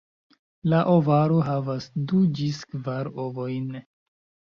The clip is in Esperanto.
La ovaro havas du ĝis kvar ovojn.